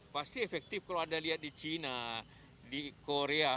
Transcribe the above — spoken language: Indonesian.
pasti efektif kalau anda lihat di china di korea